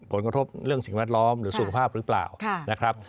ผลกระทบเรื่องสิ่งแวดล้อมหรือสุขภาพหรือเปล่านะครับ